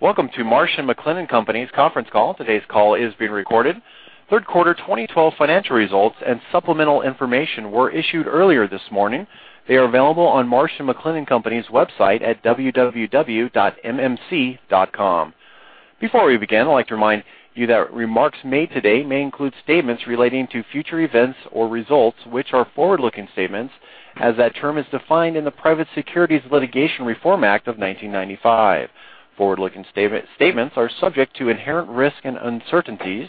Welcome to Marsh & McLennan Companies conference call. Today's call is being recorded. Third quarter 2012 financial results and supplemental information were issued earlier this morning. They are available on Marsh & McLennan Companies' website at www.mmc.com. Before we begin, I'd like to remind you that remarks made today may include statements relating to future events or results, which are forward-looking statements as that term is defined in the Private Securities Litigation Reform Act of 1995. Forward-looking statements are subject to inherent risk and uncertainties.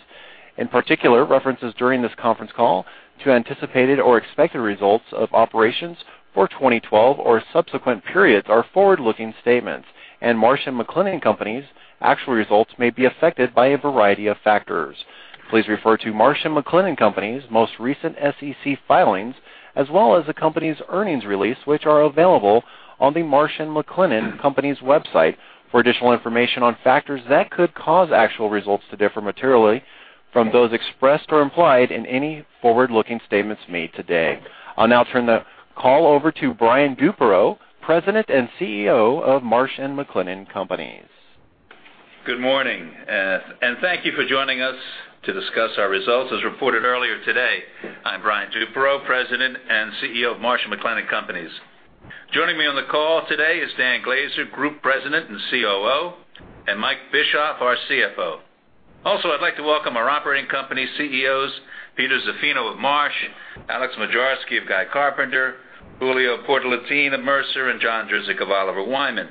In particular, references during this conference call to anticipated or expected results of operations for 2012 or subsequent periods are forward-looking statements, and Marsh & McLennan Companies actual results may be affected by a variety of factors. Please refer to Marsh & McLennan Companies most recent SEC filings, as well as the company's earnings release, which are available on the Marsh & McLennan Companies website for additional information on factors that could cause actual results to differ materially from those expressed or implied in any forward-looking statements made today. I'll now turn the call over to Brian Duperreault, President and CEO of Marsh & McLennan Companies. Good morning, and thank you for joining us to discuss our results as reported earlier today. I'm Brian Duperreault, President and CEO of Marsh & McLennan Companies. Joining me on the call today is Dan Glaser, Group President and COO, and Mike Bischoff, our CFO. Also, I'd like to welcome our operating company CEOs, Peter Zaffino of Marsh, Alex Moczarski of Guy Carpenter, Julio Portalatin of Mercer, and John Drzik of Oliver Wyman.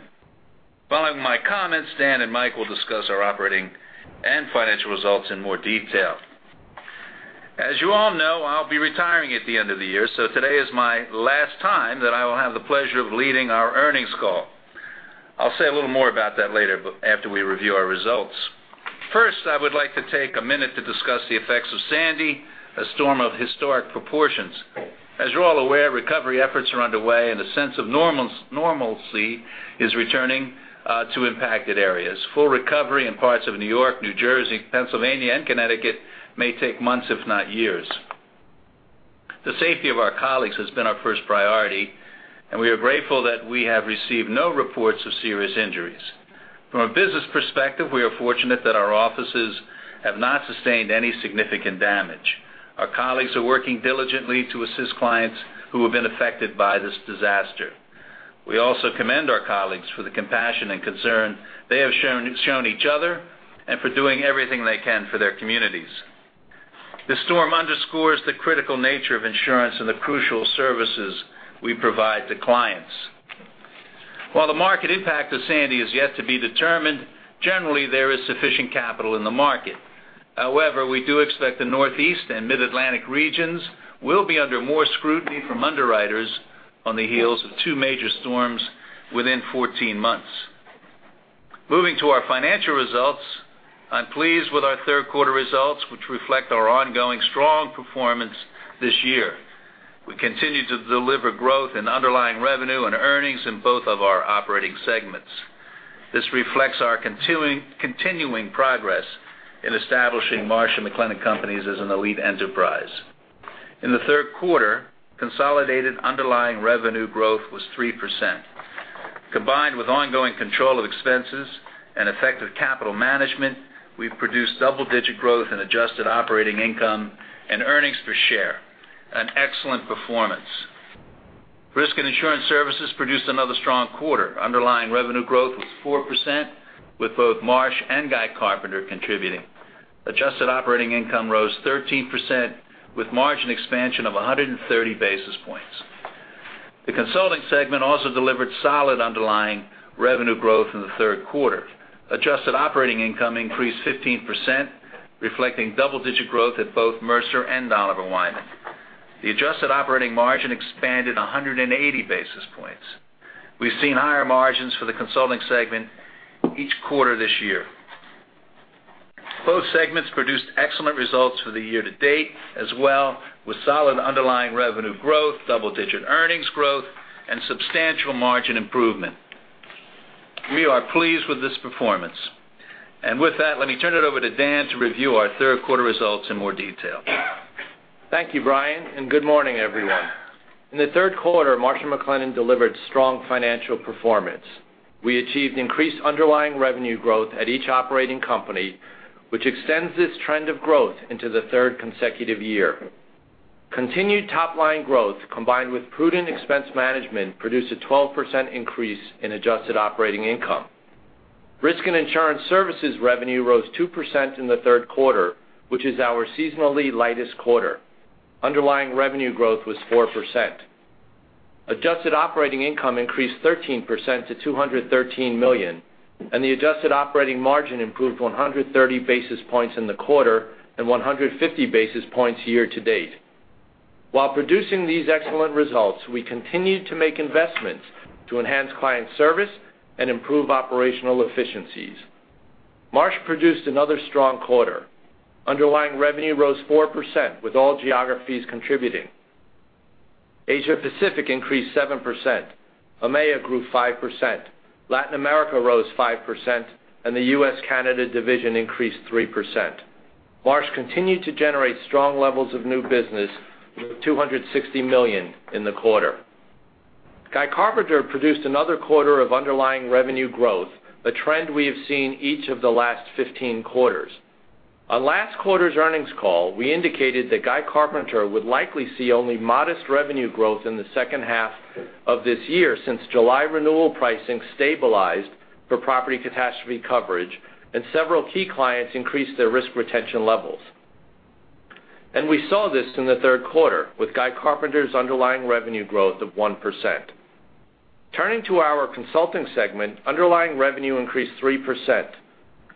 Following my comments, Dan and Mike will discuss our operating and financial results in more detail. As you all know, I'll be retiring at the end of the year, so today is my last time that I will have the pleasure of leading our earnings call. I'll say a little more about that later after we review our results. First, I would like to take a minute to discuss the effects of Sandy, a storm of historic proportions. As you're all aware, recovery efforts are underway and a sense of normalcy is returning to impacted areas. Full recovery in parts of New York, New Jersey, Pennsylvania, and Connecticut may take months, if not years. The safety of our colleagues has been our first priority, and we are grateful that we have received no reports of serious injuries. From a business perspective, we are fortunate that our offices have not sustained any significant damage. Our colleagues are working diligently to assist clients who have been affected by this disaster. We also commend our colleagues for the compassion and concern they have shown each other and for doing everything they can for their communities. The storm underscores the critical nature of insurance and the crucial services we provide to clients. While the market impact of Sandy is yet to be determined, generally there is sufficient capital in the market. However, we do expect the Northeast and Mid-Atlantic regions will be under more scrutiny from underwriters on the heels of two major storms within 14 months. Moving to our financial results, I'm pleased with our third quarter results, which reflect our ongoing strong performance this year. We continue to deliver growth in underlying revenue and earnings in both of our operating segments. This reflects our continuing progress in establishing Marsh & McLennan Companies as an elite enterprise. In the third quarter, consolidated underlying revenue growth was 3%. Combined with ongoing control of expenses and effective capital management, we've produced double-digit growth in adjusted operating income and earnings per share, an excellent performance. Risk and Insurance Services produced another strong quarter. Underlying revenue growth was 4%, with both Marsh and Guy Carpenter contributing. Adjusted operating income rose 13%, with margin expansion of 130 basis points. The consulting segment also delivered solid underlying revenue growth in the third quarter. Adjusted operating income increased 15%, reflecting double-digit growth at both Mercer and Oliver Wyman. The adjusted operating margin expanded 180 basis points. We've seen higher margins for the consulting segment each quarter this year. Both segments produced excellent results for the year to date as well, with solid underlying revenue growth, double-digit earnings growth, and substantial margin improvement. We are pleased with this performance. With that, let me turn it over to Dan to review our third quarter results in more detail. Thank you, Brian, good morning, everyone. In the third quarter, Marsh & McLennan delivered strong financial performance. We achieved increased underlying revenue growth at each operating company, which extends this trend of growth into the third consecutive year. Continued top-line growth, combined with prudent expense management, produced a 12% increase in adjusted operating income. Risk and Insurance Services revenue rose 2% in the third quarter, which is our seasonally lightest quarter. Underlying revenue growth was 4%. Adjusted operating income increased 13% to $213 million, and the adjusted operating margin improved 130 basis points in the quarter and 150 basis points year to date. While producing these excellent results, we continued to make investments to enhance client service and improve operational efficiencies. Marsh produced another strong quarter. Underlying revenue rose 4%, with all geographies contributing. Asia Pacific increased 7%, EMEA grew 5%, Latin America rose 5%, the U.S. Canada division increased 3%. Marsh continued to generate strong levels of new business with $260 million in the quarter. Guy Carpenter produced another quarter of underlying revenue growth, a trend we have seen each of the last 15 quarters. On last quarter's earnings call, we indicated that Guy Carpenter would likely see only modest revenue growth in the second half of this year, since July renewal pricing stabilized for property catastrophe coverage and several key clients increased their risk retention levels. We saw this in the third quarter with Guy Carpenter's underlying revenue growth of 1%. Turning to our Consulting segment, underlying revenue increased 3%.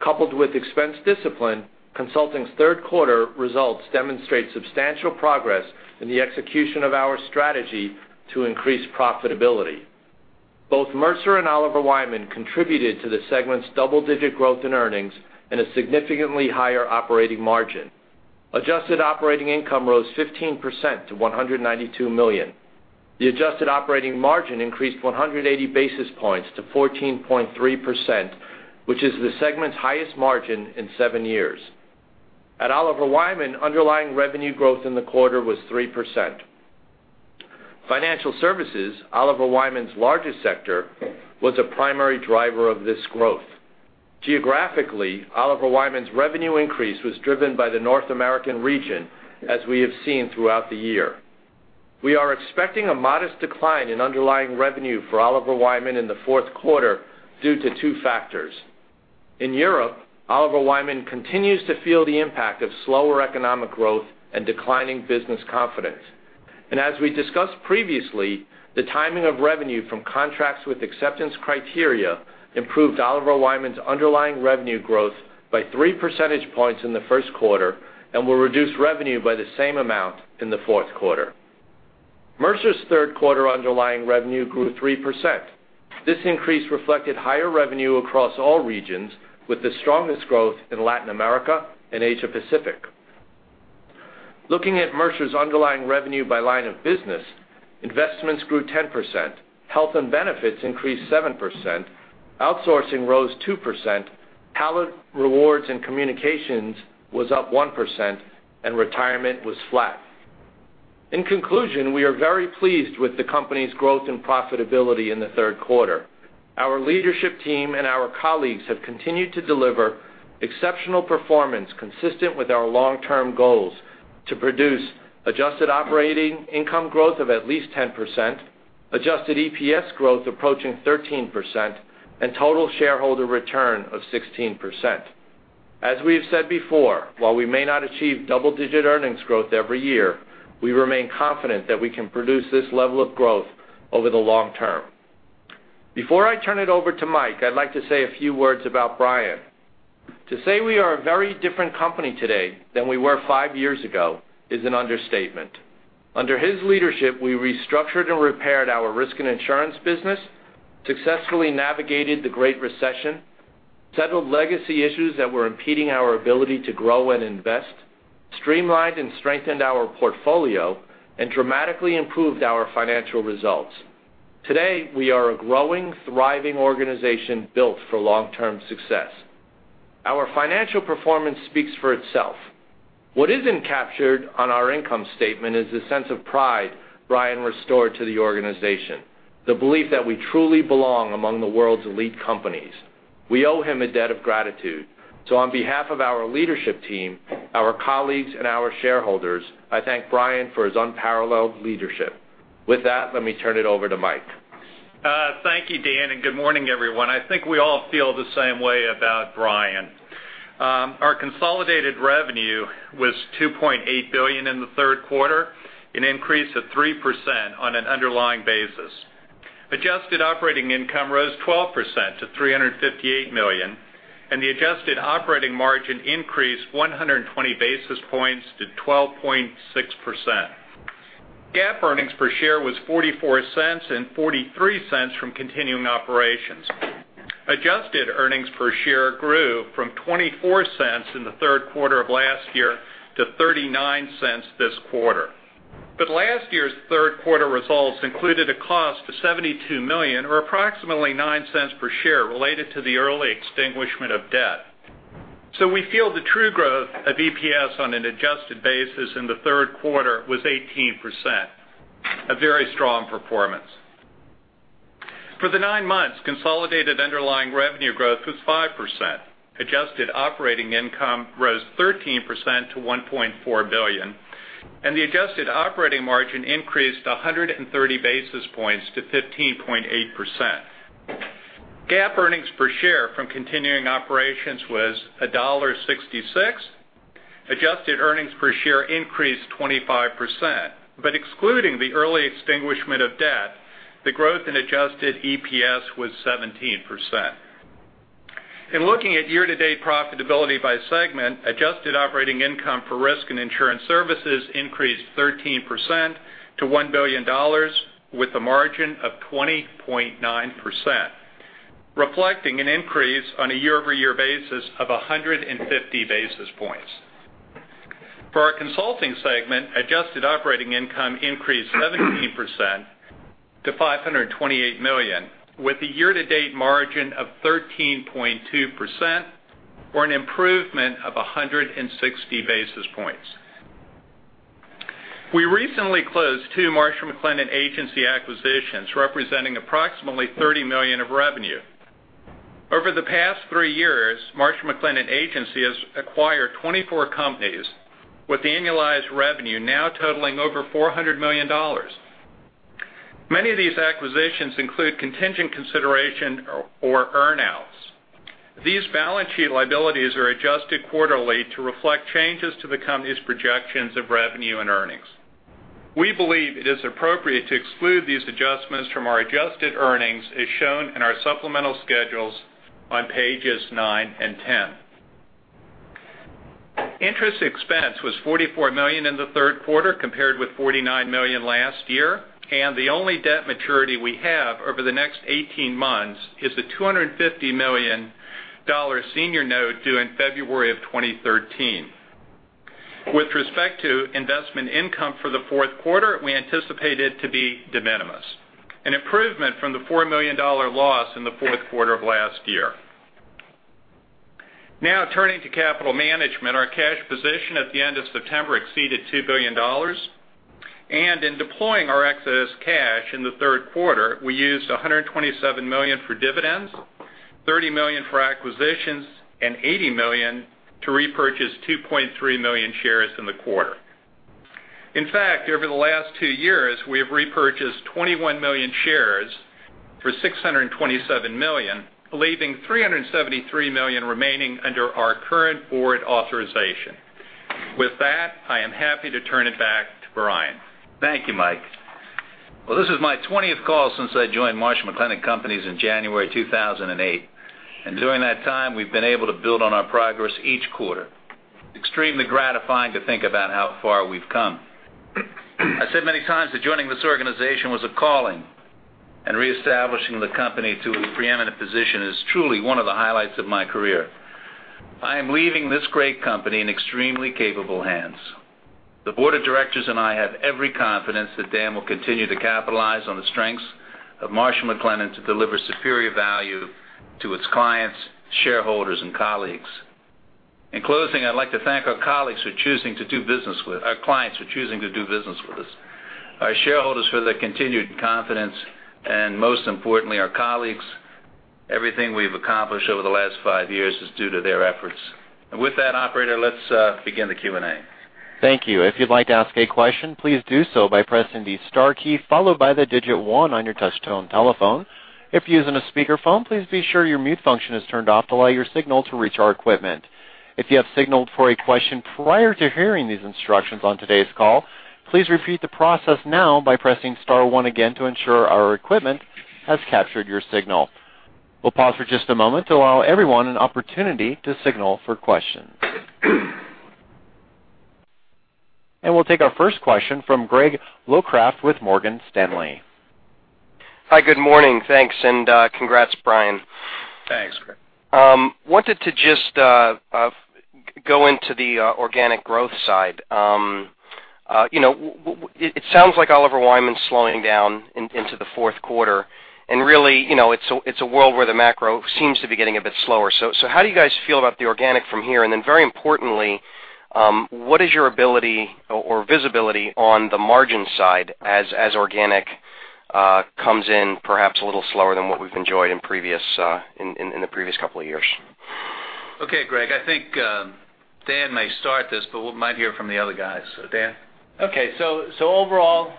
Coupled with expense discipline, Consulting's third quarter results demonstrate substantial progress in the execution of our strategy to increase profitability. Both Mercer and Oliver Wyman contributed to the segment's double-digit growth in earnings and a significantly higher operating margin. Adjusted operating income rose 15% to $192 million. The adjusted operating margin increased 180 basis points to 14.3%, which is the segment's highest margin in seven years. At Oliver Wyman, underlying revenue growth in the quarter was 3%. Financial services, Oliver Wyman's largest sector, was a primary driver of this growth. Geographically, Oliver Wyman's revenue increase was driven by the North American region, as we have seen throughout the year. We are expecting a modest decline in underlying revenue for Oliver Wyman in the fourth quarter due to two factors. In Europe, Oliver Wyman continues to feel the impact of slower economic growth and declining business confidence. As we discussed previously, the timing of revenue from contracts with acceptance criteria improved Oliver Wyman's underlying revenue growth by three percentage points in the first quarter and will reduce revenue by the same amount in the fourth quarter. Mercer's third quarter underlying revenue grew 3%. This increase reflected higher revenue across all regions, with the strongest growth in Latin America and Asia Pacific. Looking at Mercer's underlying revenue by line of business, investments grew 10%, health and benefits increased 7%, outsourcing rose 2%, talent, rewards, and communications was up 1%, and retirement was flat. In conclusion, we are very pleased with the company's growth and profitability in the third quarter. Our leadership team and our colleagues have continued to deliver exceptional performance consistent with our long-term goals to produce adjusted operating income growth of at least 10%, adjusted EPS growth approaching 13%, and total shareholder return of 16%. As we have said before, while we may not achieve double-digit earnings growth every year, we remain confident that we can produce this level of growth over the long term. Before I turn it over to Mike, I'd like to say a few words about Brian. To say we are a very different company today than we were five years ago is an understatement. Under his leadership, we restructured and repaired our risk and insurance business, successfully navigated the Great Recession, settled legacy issues that were impeding our ability to grow and invest, streamlined and strengthened our portfolio, and dramatically improved our financial results. Today, we are a growing, thriving organization built for long-term success. Our financial performance speaks for itself. What isn't captured on our income statement is the sense of pride Brian restored to the organization, the belief that we truly belong among the world's elite companies. We owe him a debt of gratitude. On behalf of our leadership team, our colleagues, and our shareholders, I thank Brian for his unparalleled leadership. With that, let me turn it over to Mike. Thank you, Dan, good morning, everyone. I think we all feel the same way about Brian. Our consolidated revenue was $2.8 billion in the third quarter, an increase of 3% on an underlying basis. Adjusted operating income rose 12% to $358 million, the adjusted operating margin increased 120 basis points to 12.6%. GAAP earnings per share was $0.44 and $0.43 from continuing operations. Adjusted earnings per share grew from $0.24 in the third quarter of last year to $0.39 this quarter. Last year's third quarter results included a cost of $72 million, or approximately $0.09 per share, related to the early extinguishment of debt. We feel the true growth of EPS on an adjusted basis in the third quarter was 18%, a very strong performance. For the nine months, consolidated underlying revenue growth was 5%. Adjusted operating income rose 13% to $1.4 billion, the adjusted operating margin increased 130 basis points to 15.8%. GAAP earnings per share from continuing operations was $1.66. Adjusted earnings per share increased 25%, excluding the early extinguishment of debt, the growth in adjusted EPS was 17%. In looking at year-to-date profitability by segment, adjusted operating income for Risk and Insurance Services increased 13% to $1 billion with a margin of 20.9%, reflecting an increase on a year-over-year basis of 150 basis points. For our consulting segment, adjusted operating income increased 17% to $528 million, with a year-to-date margin of 13.2%, or an improvement of 160 basis points. We recently closed two Marsh & McLennan Agency acquisitions, representing approximately $30 million of revenue. Over the past three years, Marsh & McLennan Agency has acquired 24 companies, with annualized revenue now totaling over $400 million. Many of these acquisitions include contingent consideration or earn-outs. These balance sheet liabilities are adjusted quarterly to reflect changes to the company's projections of revenue and earnings. We believe it is appropriate to exclude these adjustments from our adjusted earnings, as shown in our supplemental schedules on pages nine and 10. Interest expense was $44 million in the third quarter, compared with $49 million last year, the only debt maturity we have over the next 18 months is the $250 million senior note due in February of 2013. With respect to investment income for the fourth quarter, we anticipate it to be de minimis, an improvement from the $4 million loss in the fourth quarter of last year. Turning to capital management. Our cash position at the end of September exceeded $2 billion. In deploying our excess cash in the third quarter, we used $127 million for dividends, $30 million for acquisitions, and $80 million to repurchase 2.3 million shares in the quarter. In fact, over the last two years, we have repurchased 21 million shares for $627 million, leaving $373 million remaining under our current board authorization. With that, I am happy to turn it back to Brian. Thank you, Mike. Well, this is my 20th call since I joined Marsh & McLennan Companies in January 2008. During that time, we've been able to build on our progress each quarter. Extremely gratifying to think about how far we've come. I said many times that joining this organization was a calling. Reestablishing the company to a preeminent position is truly one of the highlights of my career. I am leaving this great company in extremely capable hands. The board of directors and I have every confidence that Dan will continue to capitalize on the strengths of Marsh & McLennan to deliver superior value to its clients, shareholders, and colleagues. In closing, I'd like to thank our clients for choosing to do business with us, our shareholders for their continued confidence, and most importantly, our colleagues. Everything we've accomplished over the last five years is due to their efforts. With that, operator, let's begin the Q&A. Thank you. If you'd like to ask a question, please do so by pressing the star key, followed by the digit 1 on your touch-tone telephone. If you're using a speakerphone, please be sure your mute function is turned off to allow your signal to reach our equipment. If you have signaled for a question prior to hearing these instructions on today's call, please repeat the process now by pressing star one again to ensure our equipment has captured your signal. We'll pause for just a moment to allow everyone an opportunity to signal for questions. We'll take our first question from Greg Locraft with Morgan Stanley. Hi, good morning. Thanks, congrats, Brian. Thanks, Greg. Wanted to just go into the organic growth side. It sounds like Oliver Wyman's slowing down into the fourth quarter, and really it's a world where the macro seems to be getting a bit slower. How do you guys feel about the organic from here? Very importantly, what is your ability or visibility on the margin side as organic comes in perhaps a little slower than what we've enjoyed in the previous couple of years? Okay, Greg, I think Dan may start this, but we might hear from the other guys. Dan? Okay. Overall,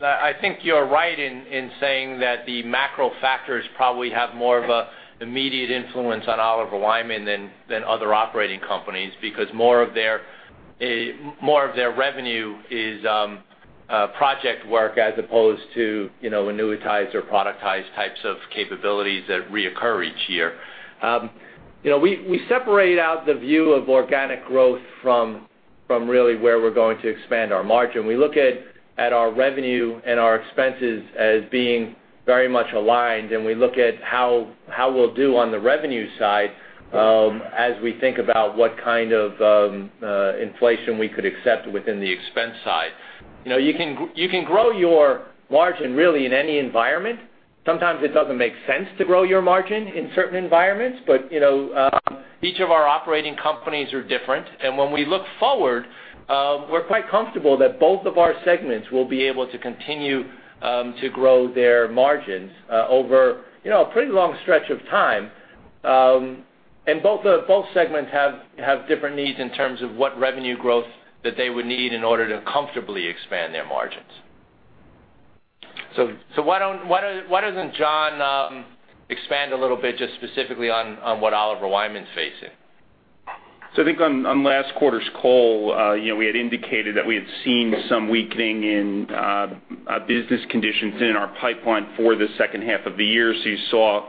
I think you're right in saying that the macro factors probably have more of an immediate influence on Oliver Wyman than other operating companies, because more of their revenue is project work as opposed to annuitized or productized types of capabilities that reoccur each year. We separate out the view of organic growth from really where we're going to expand our margin. We look at our revenue and our expenses as being very much aligned, and we look at how we'll do on the revenue side as we think about what kind of inflation we could accept within the expense side. You can grow your margin really in any environment. Sometimes it doesn't make sense to grow your margin in certain environments. Each of our operating companies are different. When we look forward, we're quite comfortable that both of our segments will be able to continue to grow their margins over a pretty long stretch of time. Both segments have different needs in terms of what revenue growth that they would need in order to comfortably expand their margins. Why doesn't John expand a little bit, just specifically on what Oliver Wyman's facing? I think on last quarter's call, we had indicated that we had seen some weakening in business conditions in our pipeline for the second half of the year. You saw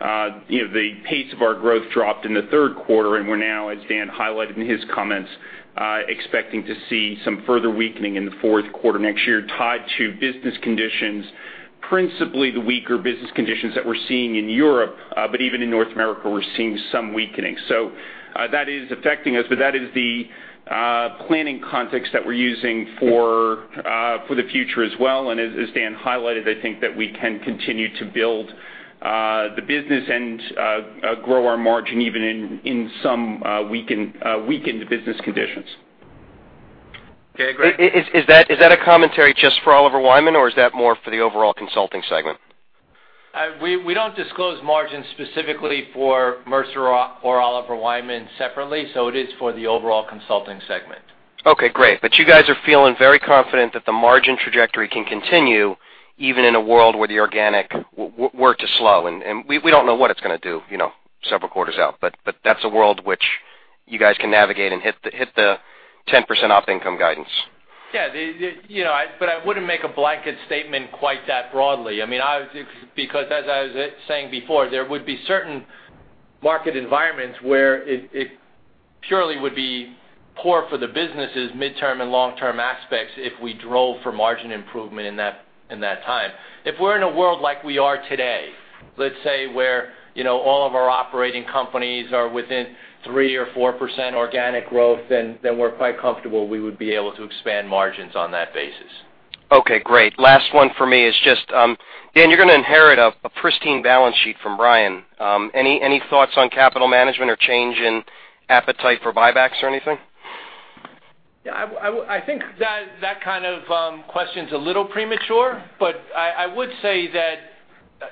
the pace of our growth dropped in the third quarter, and we're now, as Dan highlighted in his comments, expecting to see some further weakening in the fourth quarter this year tied to business conditions. Principally the weaker business conditions that we're seeing in Europe, but even in North America, we're seeing some weakening. That is affecting us, but that is the planning context that we're using for the future as well. As Dan highlighted, I think that we can continue to build the business and grow our margin even in some weakened business conditions. Okay, great. Is that a commentary just for Oliver Wyman, or is that more for the overall consulting segment? We don't disclose margins specifically for Mercer or Oliver Wyman separately, so it is for the overall consulting segment. Okay, great. You guys are feeling very confident that the margin trajectory can continue, even in a world where the organic work is slow, and we don't know what it's going to do several quarters out. That's a world which you guys can navigate and hit the 10% op income guidance. Yeah. I wouldn't make a blanket statement quite that broadly. As I was saying before, there would be certain market environments where it purely would be poor for the business' midterm and long-term aspects if we drove for margin improvement in that time. If we're in a world like we are today, let's say, where all of our operating companies are within 3% or 4% organic growth, then we're quite comfortable we would be able to expand margins on that basis. Okay, great. Last one for me is just, Dan, you're going to inherit a pristine balance sheet from Brian. Any thoughts on capital management or change in appetite for buybacks or anything? Yeah, I think that kind of question's a little premature, but I would say that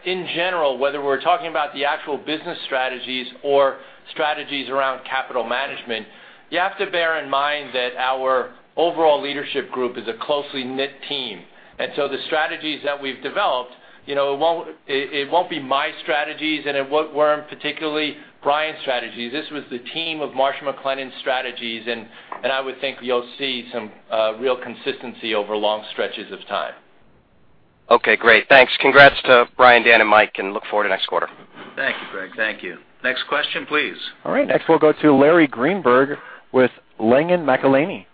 in general, whether we're talking about the actual business strategies or strategies around capital management, you have to bear in mind that our overall leadership group is a closely knit team. The strategies that we've developed, it won't be my strategies, and it weren't particularly Brian's strategies. This was the team of Marsh & McLennan's strategies, I would think you'll see some real consistency over long stretches of time. Okay, great. Thanks. Congrats to Brian, Dan, and Mike, look forward to next quarter. Thank you, Greg. Thank you. Next question, please. All right. Next, we'll go to Larry Greenberg with Langen McAlenney.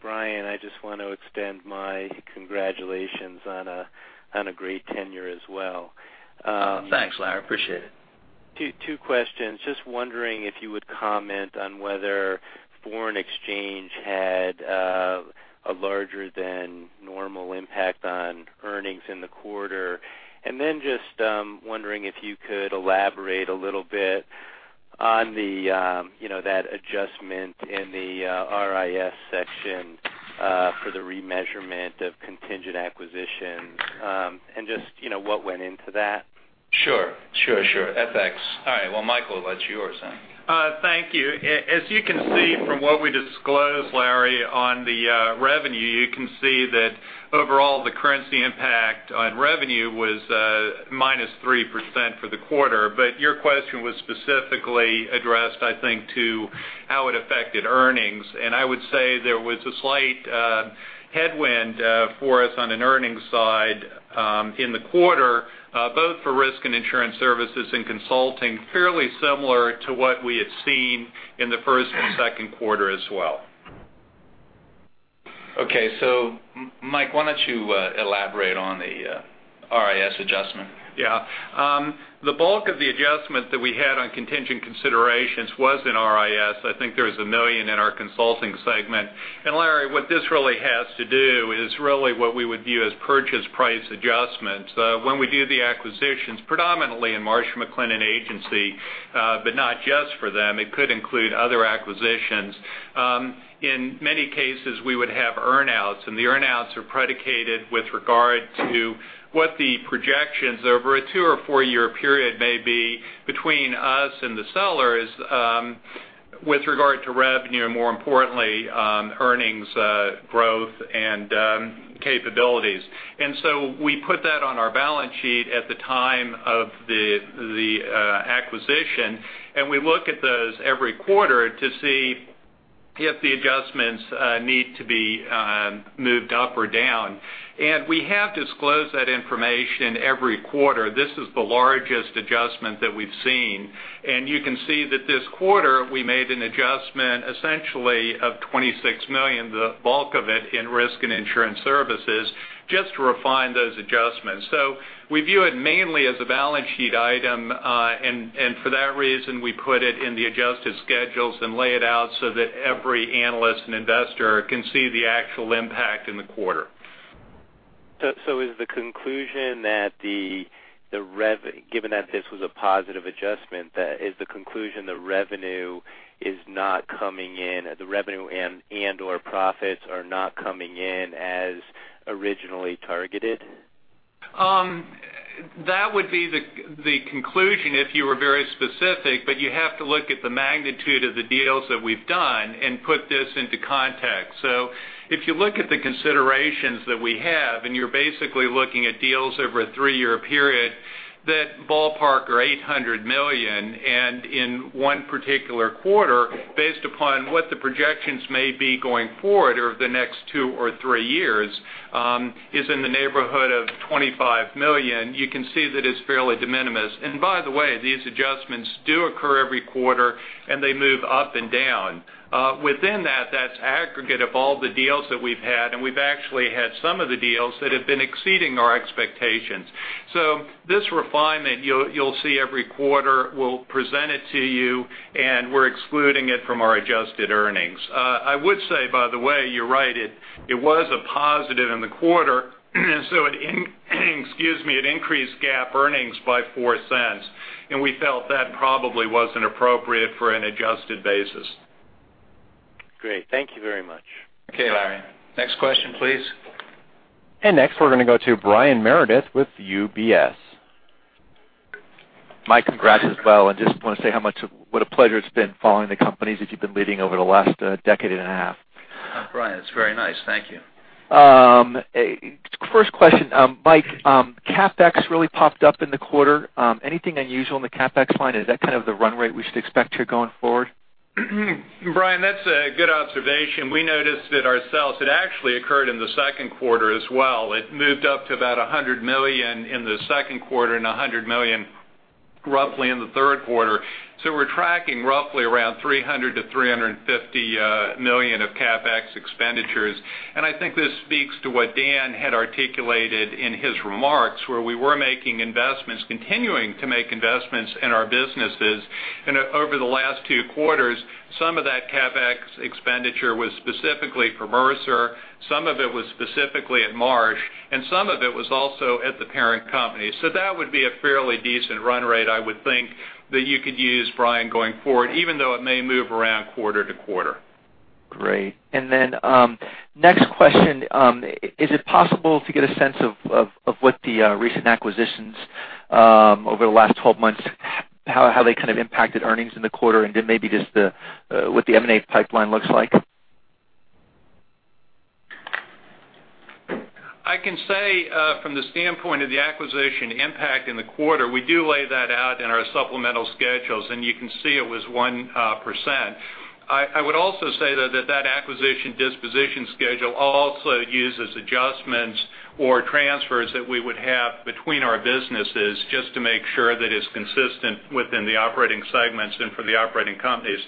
Brian, I just want to extend my congratulations on a great tenure as well. Thanks, Larry. Appreciate it. Two questions. Just wondering if you would comment on whether foreign exchange had a larger than normal impact on earnings in the quarter, and then just wondering if you could elaborate a little bit on that adjustment in the RIS section for the remeasurement of contingent acquisitions, and just what went into that. Sure. FX. All right. Well, Michael, that's yours. Thank you. As you can see from what we disclosed, Larry, on the revenue, you can see that overall the currency impact on revenue was minus 3% for the quarter. Your question was specifically addressed, I think, to how it affected earnings. I would say there was a slight headwind for us on an earnings side in the quarter, both for Risk and Insurance Services and Consulting, fairly similar to what we had seen in the first and second quarter as well. Okay. Mike, why don't you elaborate on the RIS adjustment? Yeah. The bulk of the adjustment that we had on contingent considerations was in RIS. I think there was $1 million in our Consulting segment. Larry, what this really has to do is really what we would view as purchase price adjustments. When we do the acquisitions, predominantly in Marsh & McLennan Agency, but not just for them, it could include other acquisitions. In many cases, we would have earn-outs, and the earn-outs are predicated with regard to what the projections over a two or four-year period may be between us and the sellers with regard to revenue, more importantly, earnings growth and capabilities. So we put that on our balance sheet at the time of the acquisition, and we look at those every quarter to see if the adjustments need to be moved up or down. We have disclosed that information every quarter. This is the largest adjustment that we've seen. You can see that this quarter we made an adjustment essentially of $26 million, the bulk of it in Risk and Insurance Services, just to refine those adjustments. We view it mainly as a balance sheet item, and for that reason, we put it in the adjusted schedules and lay it out so that every analyst and investor can see the actual impact in the quarter. Is the conclusion that, given that this was a positive adjustment, that is the conclusion the revenue and/or profits are not coming in as originally targeted? That would be the conclusion if you were very specific, you have to look at the magnitude of the deals that we've done and put this into context. If you look at the considerations that we have, and you're basically looking at deals over a 3-year period, that ballpark or $800 million, and in one particular quarter, based upon what the projections may be going forward over the next two or three years, is in the neighborhood of $25 million. You can see that it's fairly de minimis. By the way, these adjustments do occur every quarter, and they move up and down. Within that's aggregate of all the deals that we've had, and we've actually had some of the deals that have been exceeding our expectations. This refinement, you'll see every quarter, we'll present it to you, and we're excluding it from our adjusted earnings. I would say, by the way, you're right, it was a positive in the quarter, it increased GAAP earnings by $0.04, and we felt that probably wasn't appropriate for an adjusted basis. Great. Thank you very much. Okay, Larry. Next question, please. Next, we're going to go to Brian Meredith with UBS. Mike, congrats as well. Just want to say what a pleasure it's been following the companies that you've been leading over the last decade and a half. Brian, that's very nice. Thank you. First question. Mike, CapEx really popped up in the quarter. Anything unusual in the CapEx line? Is that kind of the run rate we should expect here going forward? Brian, that's a good observation. We noticed it ourselves. It actually occurred in the second quarter as well. It moved up to about $100 million in the second quarter and $100 million roughly in the third quarter. We're tracking roughly around $300 million-$350 million of CapEx expenditures. I think this speaks to what Dan had articulated in his remarks, where we were making investments, continuing to make investments in our businesses. Over the last two quarters, some of that CapEx expenditure was specifically for Mercer, some of it was specifically at Marsh, and some of it was also at the parent company. That would be a fairly decent run rate, I would think, that you could use, Brian, going forward, even though it may move around quarter to quarter. Great. Next question. Is it possible to get a sense of what the recent acquisitions over the last 12 months, how they kind of impacted earnings in the quarter and then maybe just what the M&A pipeline looks like? I can say from the standpoint of the acquisition impact in the quarter, we do lay that out in our supplemental schedules, and you can see it was 1%. I would also say, though, that that acquisition disposition schedule also uses adjustments or transfers that we would have between our businesses just to make sure that it's consistent within the operating segments and for the operating companies.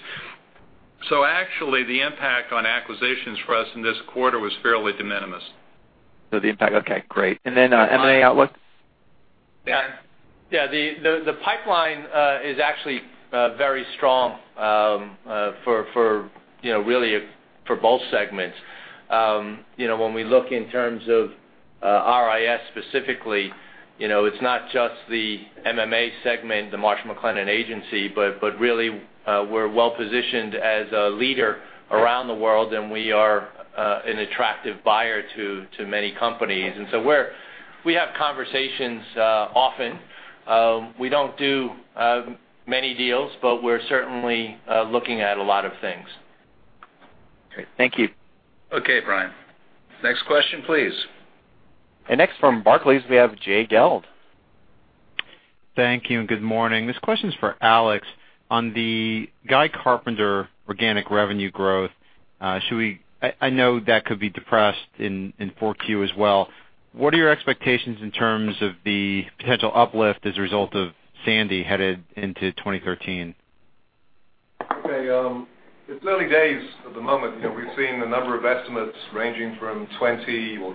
Actually, the impact on acquisitions for us in this quarter was fairly de minimis. The impact, okay, great. Then M&A outlook? Dan? Yeah, the pipeline is actually very strong really for both segments. When we look in terms of RIS specifically, it's not just the MMA segment, the Marsh & McLennan Agency, but really, we're well-positioned as a leader around the world, and we are an attractive buyer to many companies. We have conversations often. We don't do many deals, but we're certainly looking at a lot of things. Great. Thank you. Okay, Brian. Next question, please. Next from Barclays, we have Jay Gelb. Thank you, and good morning. This question's for Alex. On the Guy Carpenter organic revenue growth, I know that could be depressed in 4Q as well. What are your expectations in terms of the potential uplift as a result of Sandy headed into 2013? Okay. It's early days at the moment. We've seen a number of estimates ranging from $20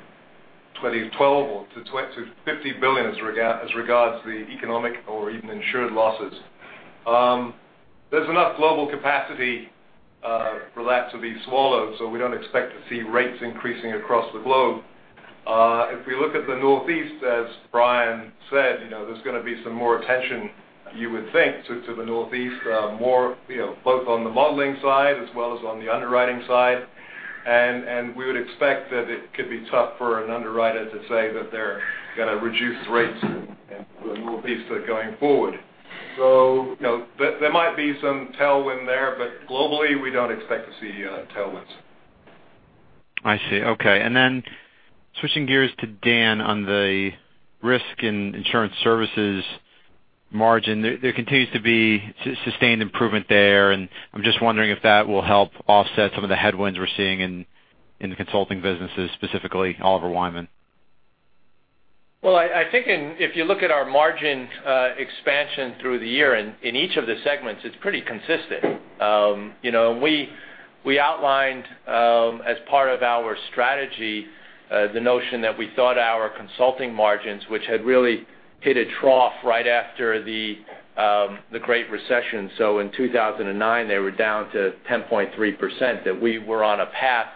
billion to $12 billion or to $50 billion as regards the economic or even insured losses. We don't expect to see rates increasing across the globe. If we look at the Northeast, as Brian said, there's going to be some more attention, you would think, to the Northeast, both on the modeling side as well as on the underwriting side. We would expect that it could be tough for an underwriter to say that they're going to reduce rates in the Northeast going forward. There might be some tailwind there, but globally, we don't expect to see tailwinds. I see. Okay. Switching gears to Dan on the Risk and Insurance Services margin, there continues to be sustained improvement there, and I'm just wondering if that will help offset some of the headwinds we're seeing in the consulting businesses, specifically Oliver Wyman. Well, I think if you look at our margin expansion through the year in each of the segments, it's pretty consistent. We outlined as part of our strategy the notion that we thought our consulting margins, which had really hit a trough right after the Great Recession. In 2009, they were down to 10.3%, that we were on a path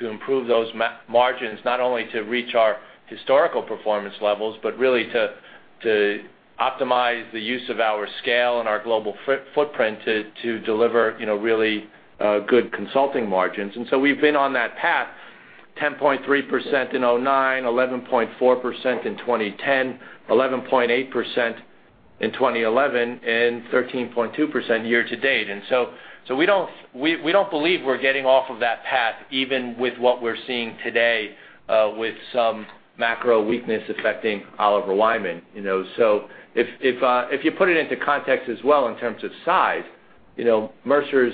to improve those margins, not only to reach our historical performance levels but really to optimize the use of our scale and our global footprint to deliver really good consulting margins. We've been on that path, 10.3% in 2009, 11.4% in 2010, 11.8% in 2011 and 13.2% year-to-date. We don't believe we're getting off of that path, even with what we're seeing today with some macro weakness affecting Oliver Wyman. If you put it into context as well, in terms of size, Mercer's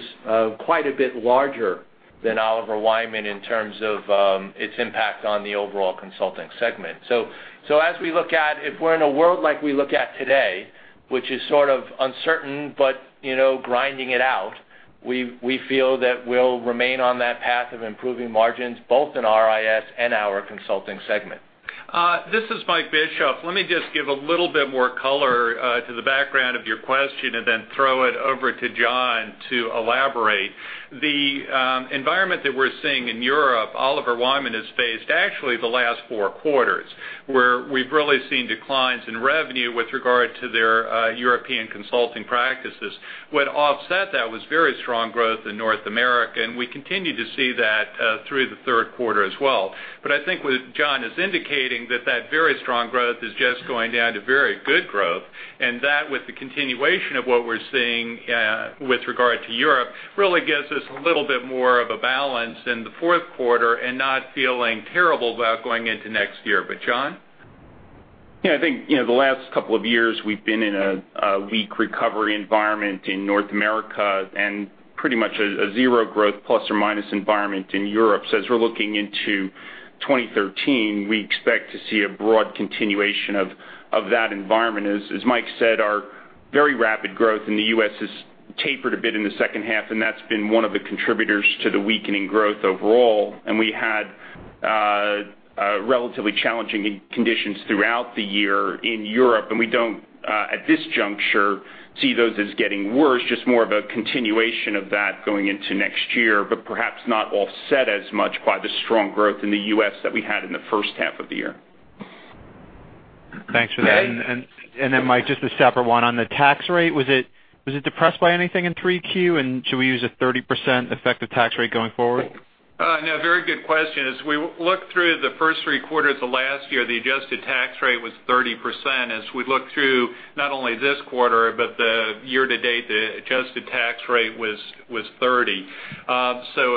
quite a bit larger than Oliver Wyman in terms of its impact on the overall consulting segment. As we look at, if we're in a world like we look at today, which is sort of uncertain, but grinding it out, we feel that we'll remain on that path of improving margins both in RIS and our consulting segment. This is Mike Bischoff. Let me just give a little bit more color to the background of your question and then throw it over to John to elaborate. The environment that we're seeing in Europe, Oliver Wyman has faced actually the last four quarters, where we've really seen declines in revenue with regard to their European consulting practices. What offset that was very strong growth in North America, and we continue to see that through the third quarter as well. I think what John is indicating that very strong growth is just going down to very good growth, and that with the continuation of what we're seeing with regard to Europe, really gives us a little bit more of a balance in the fourth quarter and not feeling terrible about going into next year. John? Yeah, I think, the last couple of years, we've been in a weak recovery environment in North America and pretty much a zero growth plus or minus environment in Europe. As we're looking into 2013, we expect to see a broad continuation of that environment. As Mike said, our very rapid growth in the U.S. has tapered a bit in the second half, and that's been one of the contributors to the weakening growth overall. We had relatively challenging conditions throughout the year in Europe. We don't, at this juncture, see those as getting worse, just more of a continuation of that going into next year, perhaps not offset as much by the strong growth in the U.S. that we had in the first half of the year. Thanks for that. Jay? Mike, just a separate one on the tax rate. Was it depressed by anything in 3Q, and should we use a 30% effective tax rate going forward? No, very good question. As we look through the first three quarters of last year, the adjusted tax rate was 30%. As we look through not only this quarter, but the year to date, the adjusted tax rate was 30%.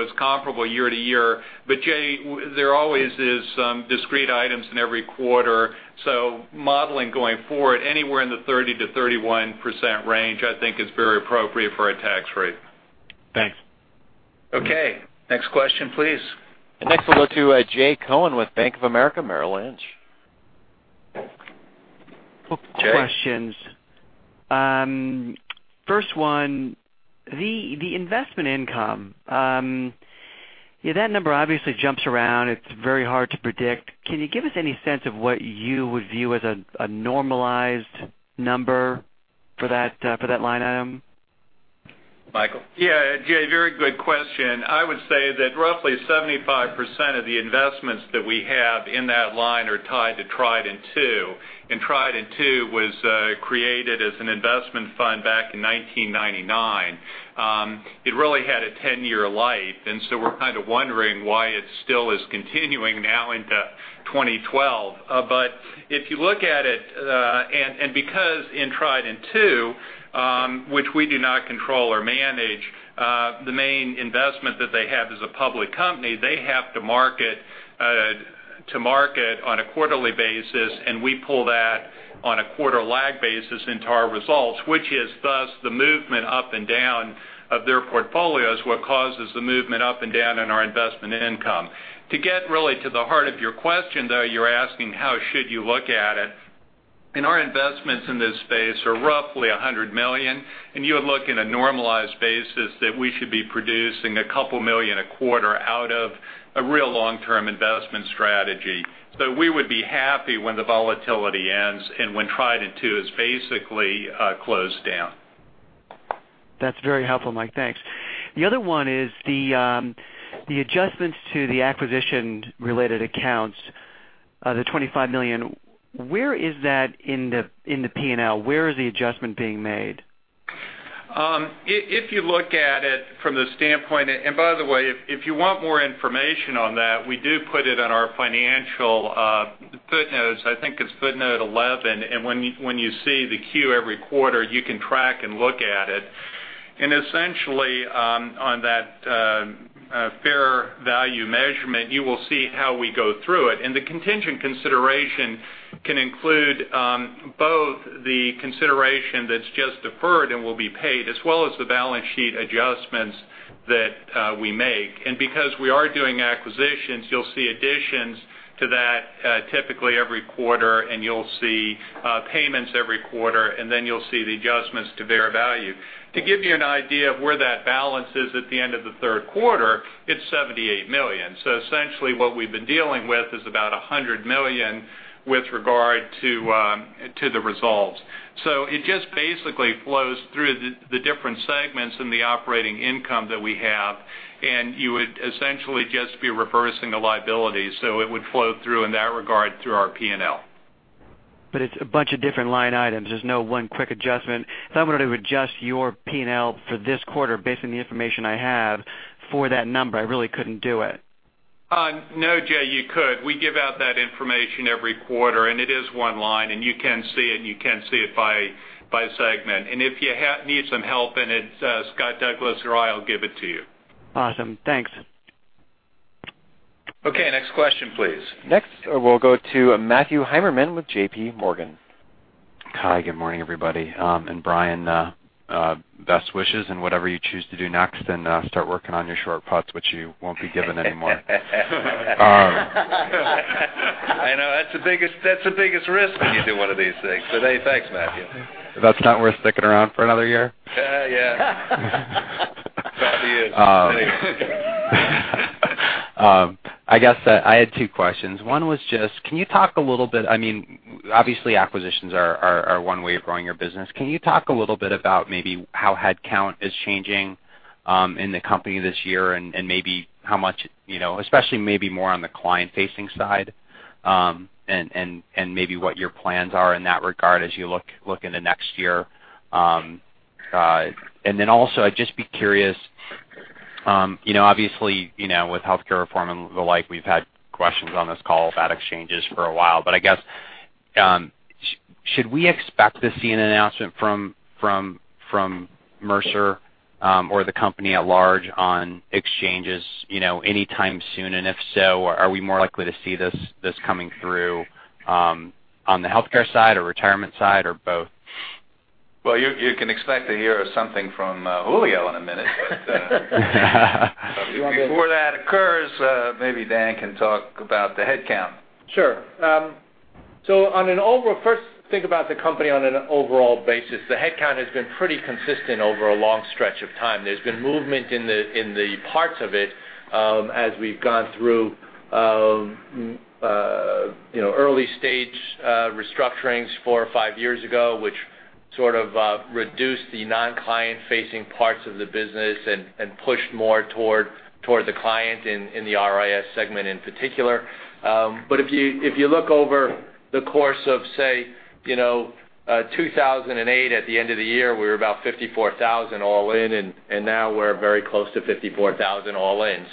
It's comparable year-over-year. Jay, there always is some discrete items in every quarter, so modeling going forward, anywhere in the 30%-31% range, I think is very appropriate for a tax rate. Thanks. Okay, next question, please. Next we'll go to Jay Cohen with Bank of America Merrill Lynch. Jay. A couple questions. First one, the investment income. That number obviously jumps around. It's very hard to predict. Can you give us any sense of what you would view as a normalized number for that line item? Michael? Yeah. Jay, very good question. I would say that roughly 75% of the investments that we have in that line are tied to Trident II. Trident II was created as an investment fund back in 1999. It really had a 10-year life. We're kind of wondering why it still is continuing now into 2012. If you look at it, because in Trident II, which we do not control or manage, the main investment that they have as a public company, they have to market on a quarterly basis, and we pull that on a quarter lag basis into our results, which is thus the movement up and down of their portfolio is what causes the movement up and down in our investment income. To get really to the heart of your question, though, you're asking how should you look at it. Our investments in this space are roughly $100 million. You would look in a normalized basis that we should be producing a couple million a quarter out of a real long-term investment strategy. We would be happy when the volatility ends and when Trident II is basically closed down. That's very helpful, Mike. Thanks. The other one is the adjustments to the acquisition-related accounts, the $25 million. Where is that in the P&L? Where is the adjustment being made? If you look at it from the standpoint. By the way, if you want more information on that, we do put it on our financial footnotes. I think it's footnote 11. When you see the Q every quarter, you can track and look at it. Essentially, on that fair value measurement, you will see how we go through it. The contingent consideration can include both the consideration that's just deferred and will be paid, as well as the balance sheet adjustments that we make. Because we are doing acquisitions, you'll see additions to that, typically every quarter, and you'll see payments every quarter, and then you'll see the adjustments to fair value. To give you an idea of where that balance is at the end of the third quarter, it's $78 million. Essentially what we've been dealing with is about $100 million with regard to the results. It just basically flows through the different segments in the operating income that we have, and you would essentially just be reversing a liability. It would flow through in that regard through our P&L. It's a bunch of different line items. There's no one quick adjustment. If I wanted to adjust your P&L for this quarter based on the information I have for that number, I really couldn't do it? No, Jay, you could. We give out that information every quarter, and it is one line, and you can see it, and you can see it by segment. If you need some help in it, Scott Douglas or I will give it to you. Awesome. Thanks. Okay, next question, please. We'll go to Matthew Heimermann with JPMorgan. Hi, good morning, everybody. Brian, best wishes in whatever you choose to do next, and start working on your short putts, which you won't be given anymore. I know that's the biggest risk when you do one of these things. Hey, thanks, Matthew. That's not worth sticking around for another year? Yeah. Probably is. Anyway. I guess I had two questions. One was just, can you talk a little bit, obviously acquisitions are one way of growing your business. Can you talk a little bit about maybe how headcount is changing in the company this year and especially maybe more on the client-facing side, and maybe what your plans are in that regard as you look in the next year? Then also, I'd just be curious, obviously, with healthcare reform and the like, we've had questions on this call about exchanges for a while. I guess, should we expect to see an announcement from Mercer or the company at large on exchanges anytime soon? If so, are we more likely to see this coming through on the healthcare side or retirement side or both? You can expect to hear something from Julio in a minute. Before that occurs, maybe Dan can talk about the headcount. Sure. First, think about the company on an overall basis. The headcount has been pretty consistent over a long stretch of time. There's been movement in the parts of it as we've gone through early stage restructurings four or five years ago, which sort of reduced the non-client-facing parts of the business and pushed more toward the client in the RIS segment in particular. If you look over the course of, say, 2008, at the end of the year, we were about 54,000 all in, and now we're very close to 54,000 all in.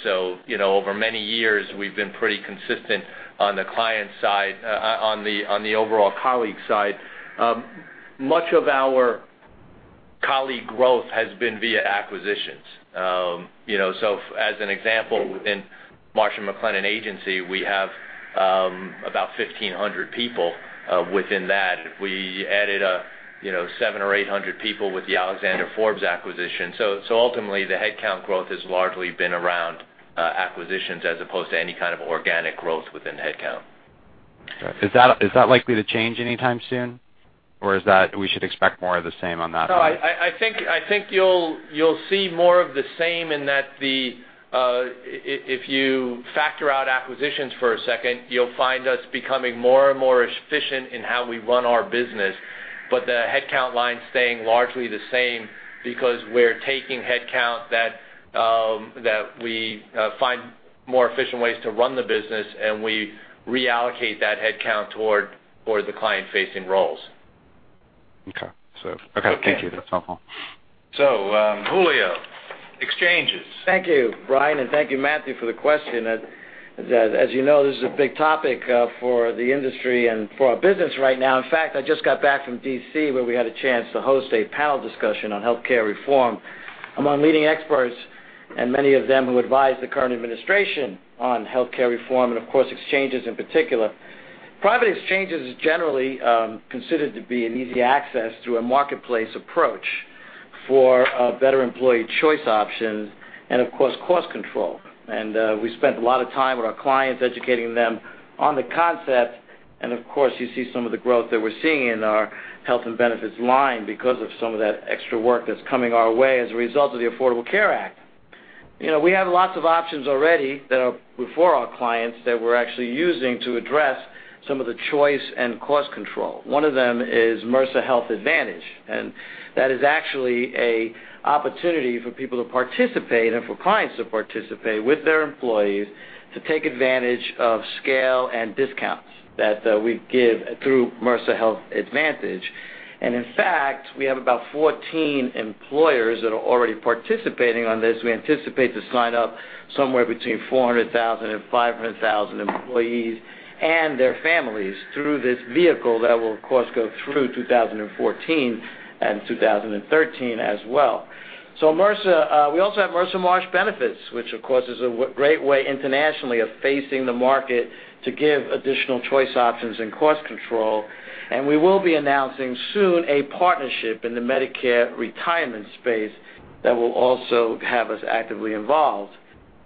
Over many years, we've been pretty consistent on the client side, on the overall colleague side. Much of our colleague growth has been via acquisitions. As an example, in Marsh & McLennan Agency, we have about 1,500 people within that. We added 700 or 800 people with the Alexander Forbes acquisition. Ultimately, the headcount growth has largely been around acquisitions as opposed to any kind of organic growth within headcount. Is that likely to change anytime soon? Or is that we should expect more of the same on that front? No, I think you'll see more of the same in that if you factor out acquisitions for a second, you'll find us becoming more and more efficient in how we run our business, but the headcount line staying largely the same because we're taking headcount that we find more efficient ways to run the business, and we reallocate that headcount toward the client-facing roles. Okay. Thank you. That's helpful. Julio, exchanges. Thank you, Brian, and thank you, Matthew, for the question. As you know, this is a big topic for the industry and for our business right now. In fact, I just got back from D.C. where we had a chance to host a panel discussion on healthcare reform among leading experts and many of them who advise the current administration on healthcare reform and of course, exchanges in particular. Private exchanges is generally considered to be an easy access to a marketplace approach for better employee choice options and, of course, cost control. We spent a lot of time with our clients educating them on the concept. Of course, you see some of the growth that we're seeing in our health and benefits line because of some of that extra work that's coming our way as a result of the Affordable Care Act. We have lots of options already that are before our clients that we're actually using to address some of the choice and cost control. One of them is Mercer Health Advantage, and that is actually an opportunity for people to participate and for clients to participate with their employees to take advantage of scale and discounts that we give through Mercer Health Advantage. In fact, we have about 14 employers that are already participating on this. We anticipate to sign up somewhere between 400,000 and 500,000 employees and their families through this vehicle that will, of course, go through 2014 and 2013 as well. We also have Mercer Marsh Benefits, which of course, is a great way internationally of facing the market to give additional choice options and cost control. We will be announcing soon a partnership in the Medicare retirement space that will also have us actively involved.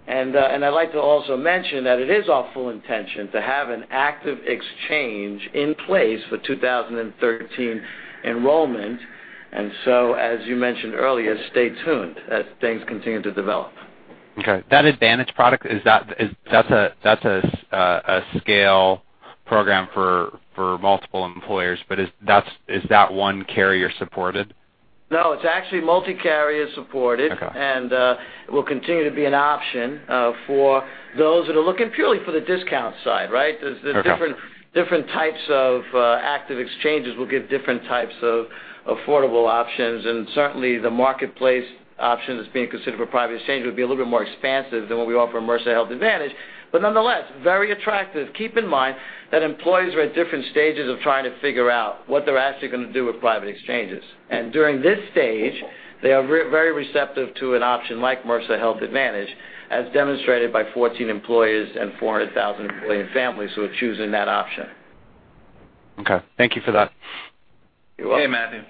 I'd like to also mention that it is our full intention to have an active exchange in place for 2013 enrollment. As you mentioned earlier, stay tuned as things continue to develop. Okay. That advantage product, that's a scale program for multiple employers, Is that one carrier supported? No, it's actually multi-carrier supported. Okay. Will continue to be an option for those that are looking purely for the discount side, right? Okay. There's different types of active exchanges will give different types of affordable options. Certainly the marketplace option that's being considered for private exchange would be a little bit more expansive than what we offer Mercer Health Advantage. Nonetheless, very attractive. Keep in mind that employees are at different stages of trying to figure out what they're actually going to do with private exchanges. During this stage, they are very receptive to an option like Mercer Health Advantage, as demonstrated by 14 employers and 400,000 employee families who are choosing that option. Okay. Thank you for that. You're welcome. Okay, Matthew.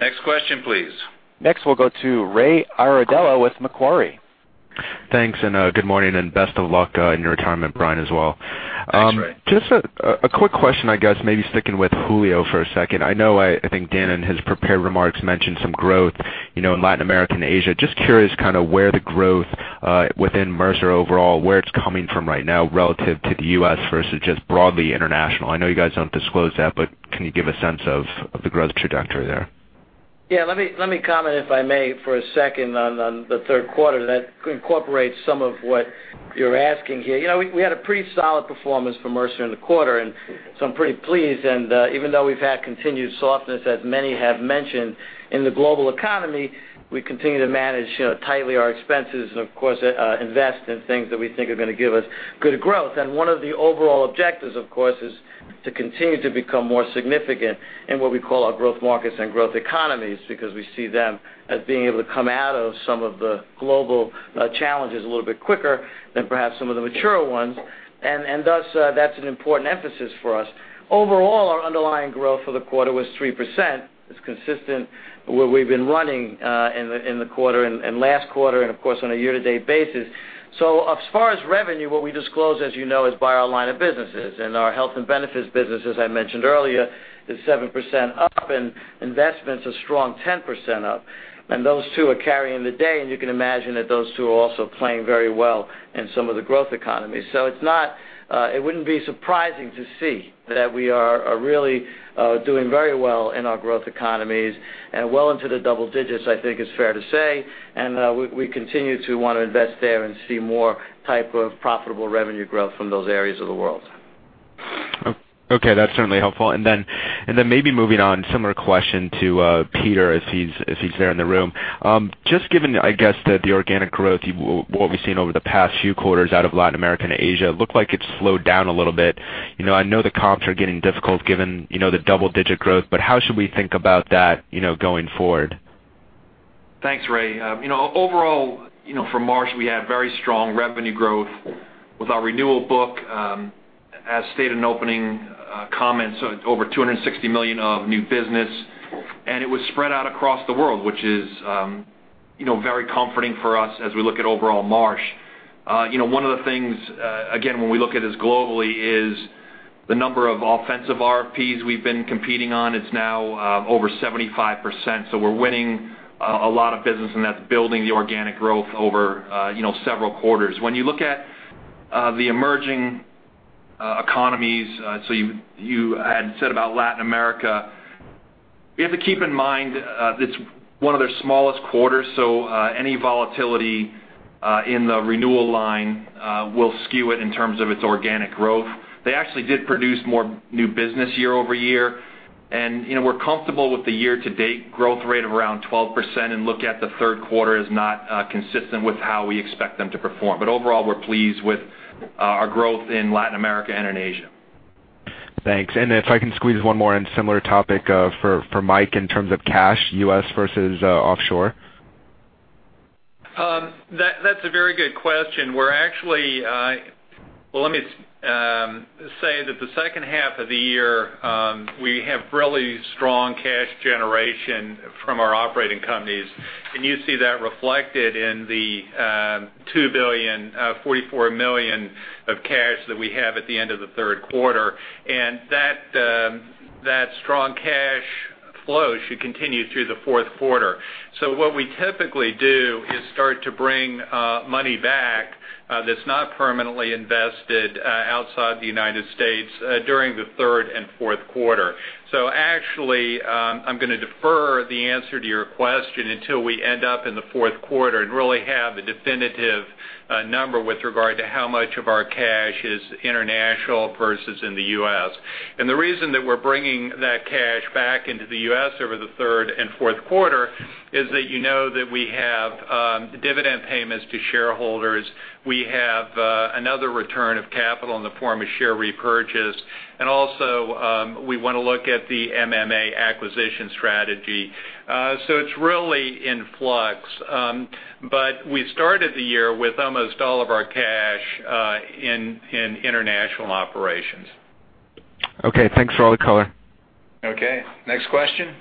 Next question, please. Next, we'll go to Ray Iardella with Macquarie. Thanks, and good morning, and best of luck in your retirement, Brian, as well. Thanks, Ray. Just a quick question, I guess maybe sticking with Julio for a second. I know, I think Dan, in his prepared remarks, mentioned some growth in Latin America and Asia. Just curious where the growth within Mercer overall, where it's coming from right now relative to the U.S. versus just broadly international. I know you guys don't disclose that, but can you give a sense of the growth trajectory there? Yeah, let me comment, if I may, for a second on the third quarter that incorporates some of what you're asking here. We had a pretty solid performance for Mercer in the quarter, so I'm pretty pleased. Even though we've had continued softness, as many have mentioned in the global economy, we continue to manage tightly our expenses and, of course, invest in things that we think are going to give us good growth. One of the overall objectives, of course, is to continue to become more significant in what we call our growth markets and growth economies, because we see them as being able to come out of some of the global challenges a little bit quicker than perhaps some of the maturer ones. Thus, that's an important emphasis for us. Overall, our underlying growth for the quarter was 3%. It's consistent where we've been running in the quarter and last quarter and, of course, on a year-to-date basis. As far as revenue, what we disclose, as you know, is by our line of businesses. Our health and benefits business, as I mentioned earlier, is 7% up, and investments a strong 10% up. Those two are carrying the day, and you can imagine that those two are also playing very well in some of the growth economies. It wouldn't be surprising to see that we are really doing very well in our growth economies and well into the double digits, I think is fair to say. We continue to want to invest there and see more type of profitable revenue growth from those areas of the world. Okay, that's certainly helpful. Maybe moving on, similar question to Peter as he's there in the room. Just given, I guess, that the organic growth, what we've seen over the past few quarters out of Latin America and Asia, looked like it slowed down a little bit. I know the comps are getting difficult given the double-digit growth, how should we think about that going forward? Thanks, Ray. Overall, for Marsh, we had very strong revenue growth with our renewal book, as stated in opening comments, over $260 million of new business. It was spread out across the world, which is very comforting for us as we look at overall Marsh. One of the things, again, when we look at this globally is the number of offensive RFPs we've been competing on. It's now over 75%, we're winning a lot of business, and that's building the organic growth over several quarters. When you look at the emerging economies, you had said about Latin America, you have to keep in mind it's one of their smallest quarters, any volatility in the renewal line will skew it in terms of its organic growth. They actually did produce more new business year-over-year. We're comfortable with the year-to-date growth rate of around 12% and look at the third quarter as not consistent with how we expect them to perform. Overall, we're pleased with our growth in Latin America and in Asia. Thanks. If I can squeeze one more in, similar topic for Mike in terms of cash, U.S. versus offshore. That's a very good question. Well, let me say that the second half of the year, we have really strong cash generation from our operating companies. You see that reflected in the $2,044 million of cash that we have at the end of the third quarter. That strong cash flow should continue through the fourth quarter. What we typically do is start to bring money back that's not permanently invested outside the United States during the third and fourth quarter. Actually, I'm going to defer the answer to your question until we end up in the fourth quarter and really have a definitive number with regard to how much of our cash is international versus in the U.S. The reason that we're bringing that cash back into the U.S. over the third and fourth quarter is that you know that we have dividend payments to shareholders. We have another return of capital in the form of share repurchase. Also, we want to look at the MMA acquisition strategy. It's really in flux. We started the year with almost all of our cash in international operations. Okay, thanks for all the color. Okay, next question.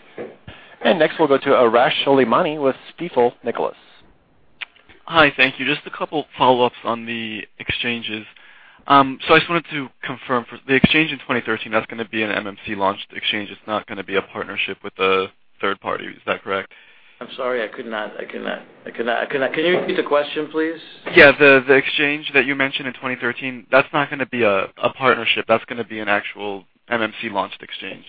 Next, we'll go to Arash Soleimani with Stifel Nicolaus. Hi, thank you. Just a couple follow-ups on the exchanges. I just wanted to confirm, the exchange in 2013, that's going to be an MMC-launched exchange. It's not going to be a partnership with a third party. Is that correct? I'm sorry, I could not. Can you repeat the question, please? The exchange that you mentioned in 2013, that's not going to be a partnership. That's going to be an actual MMC-launched exchange.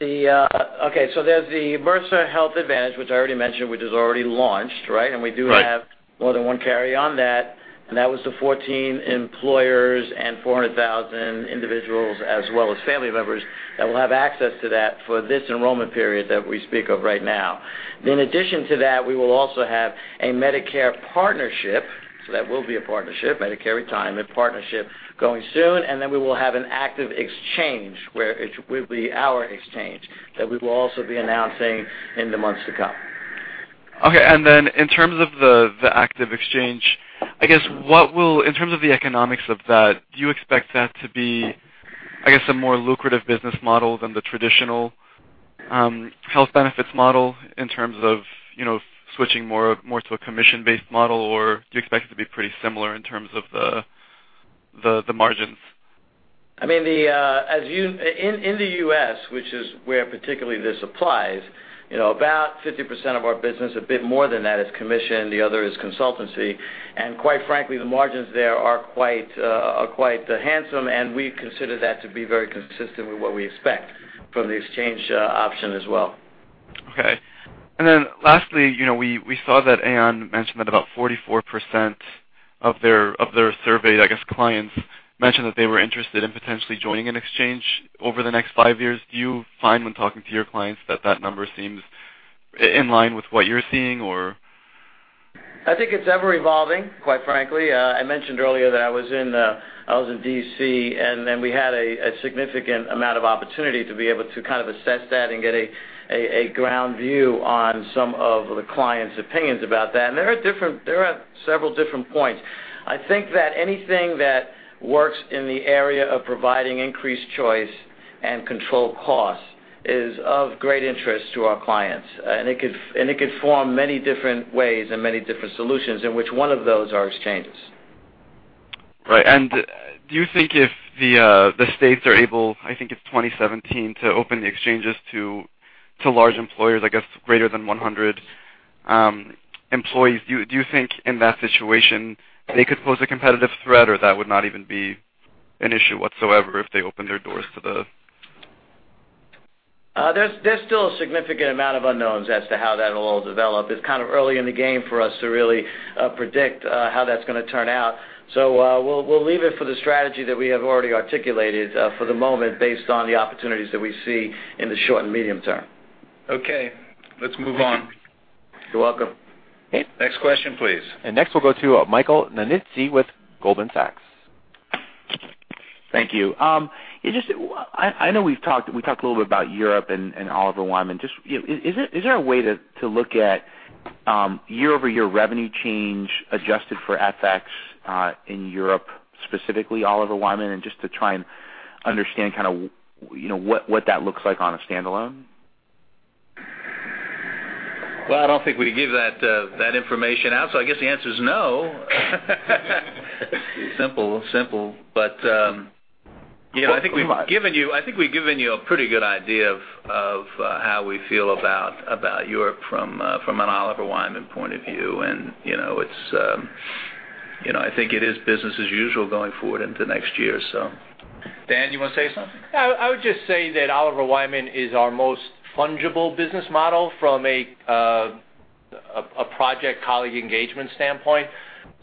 There's the Mercer Health Advantage, which I already mentioned, which is already launched, right? Right. We do have more than one carrier on that, and that was the 14 employers and 400,000 individuals as well as family members that will have access to that for this enrollment period that we speak of right now. In addition to that, we will also have a Medicare partnership, so that will be a partnership, Medicare retirement partnership going soon. We will have an active exchange where it will be our exchange, that we will also be announcing in the months to come. In terms of the active exchange, in terms of the economics of that, do you expect that to be a more lucrative business model than the traditional health benefits model in terms of switching more to a commission-based model, or do you expect it to be pretty similar in terms of the margins? In the U.S., which is where particularly this applies, about 50% of our business, a bit more than that, is commission, the other is consultancy. Quite frankly, the margins there are quite handsome, and we consider that to be very consistent with what we expect from the exchange option as well. Okay. Lastly, we saw that Aon mentioned that about 44% of their surveyed clients mentioned that they were interested in potentially joining an exchange over the next five years. Do you find when talking to your clients that that number seems in line with what you're seeing or? I think it's ever-evolving, quite frankly. I mentioned earlier that I was in D.C., we had a significant amount of opportunity to be able to kind of assess that and get a ground view on some of the clients' opinions about that. There are several different points. I think that anything that works in the area of providing increased choice and controlled cost is of great interest to our clients. It could form many different ways and many different solutions, in which one of those are exchanges. Right. Do you think if the states are able, I think it's 2017, to open the exchanges to large employers, I guess greater than 100 employees, do you think in that situation they could pose a competitive threat or that would not even be an issue whatsoever if they open their doors to the- There's still a significant amount of unknowns as to how that'll all develop. It's kind of early in the game for us to really predict how that's going to turn out. We'll leave it for the strategy that we have already articulated for the moment based on the opportunities that we see in the short and medium term. Okay. Let's move on. You're welcome. Next question, please. Next, we'll go to Michael Nannizzi with Goldman Sachs. Thank you. I know we talked a little bit about Europe and Oliver Wyman. Is there a way to look at year-over-year revenue change adjusted for FX in Europe, specifically Oliver Wyman, and to try and understand what that looks like on a standalone? I don't think we give that information out, I guess the answer is no. Simple. I think we've given you a pretty good idea of how we feel about Europe from an Oliver Wyman point of view, and I think it is business as usual going forward into next year. Dan, you want to say something? I would just say that Oliver Wyman is our most fungible business model from a project colleague engagement standpoint.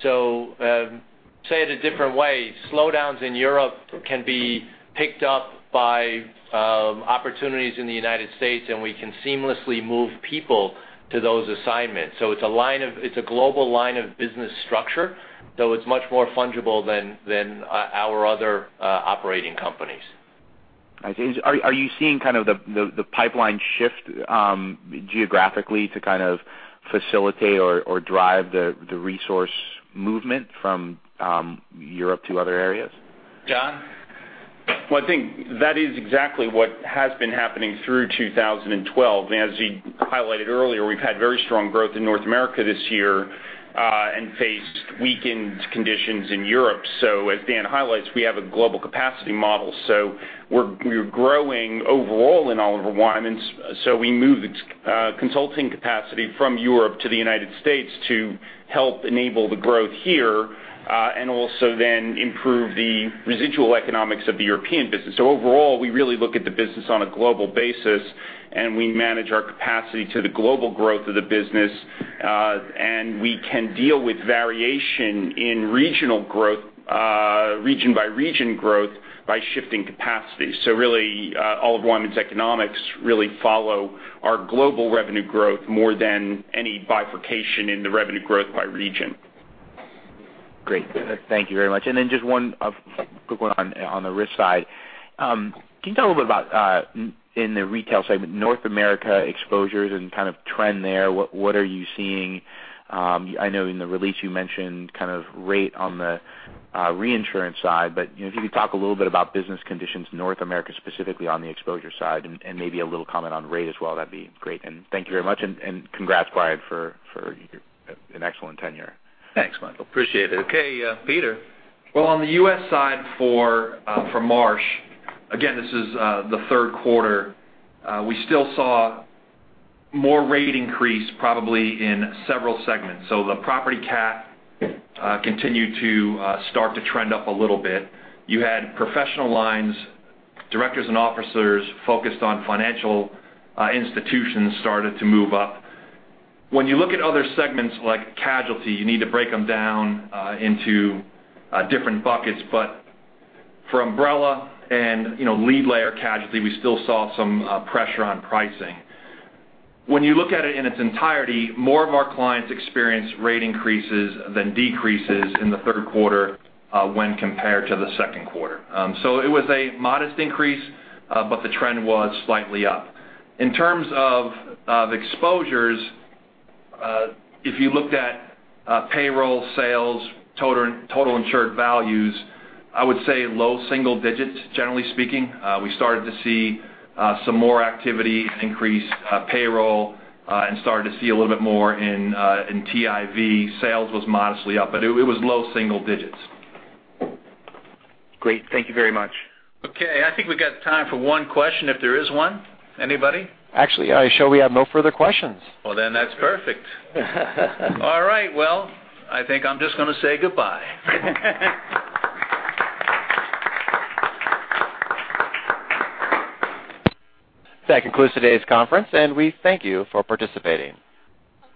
Say it a different way. Slowdowns in Europe can be picked up by opportunities in the United States, and we can seamlessly move people to those assignments. It's a global line of business structure, though it's much more fungible than our other operating companies. I see. Are you seeing the pipeline shift geographically to facilitate or drive the resource movement from Europe to other areas? John? I think that is exactly what has been happening through 2012. As you highlighted earlier, we've had very strong growth in North America this year, and faced weakened conditions in Europe. As Dan highlights, we have a global capacity model. We're growing overall in Oliver Wyman, so we moved consulting capacity from Europe to the United States to help enable the growth here, and also then improve the residual economics of the European business. Overall, we really look at the business on a global basis, and we manage our capacity to the global growth of the business. We can deal with variation in regional growth, region by region growth by shifting capacity. Really, Oliver Wyman's economics really follow our global revenue growth more than any bifurcation in the revenue growth by region. Great. Thank you very much. Then just one quick one on the risk side. Can you tell a little bit about, in the retail segment, North America exposures and kind of trend there? What are you seeing? I know in the release you mentioned rate on the reinsurance side, but if you could talk a little bit about business conditions in North America, specifically on the exposure side, and maybe a little comment on rate as well, that'd be great. Thank you very much, and congrats, Brian, for an excellent tenure. Thanks, Michael. Appreciate it. Okay, Peter. On the U.S. side for Marsh, again, this is the third quarter, we still saw more rate increase, probably in several segments. The property cat continued to start to trend up a little bit. You had professional lines, directors and officers focused on financial institutions started to move up. When you look at other segments like casualty, you need to break them down into different buckets. For umbrella and lead layer casualty, we still saw some pressure on pricing. When you look at it in its entirety, more of our clients experienced rate increases than decreases in the third quarter when compared to the second quarter. It was a modest increase, but the trend was slightly up. In terms of exposures, if you looked at payroll, sales, total insured values, I would say low single digits, generally speaking. We started to see some more activity, increased payroll, and started to see a little bit more in TIV. Sales was modestly up, but it was low single digits. Great. Thank you very much. I think we got time for one question, if there is one. Anybody? Actually, I show we have no further questions. Well, that's perfect. All right. Well, I think I'm just going to say goodbye. That concludes today's conference, and we thank you for participating.